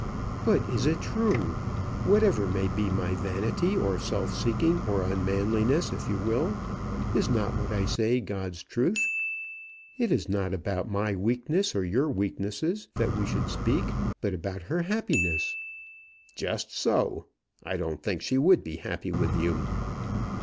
"But is it true? Whatever may be my vanity, or self seeking, or unmanliness if you will, is not what I say God's truth? It is not about my weaknesses, or your weaknesses, that we should speak, but about her happiness." "Just so; I don't think she would be happy with you."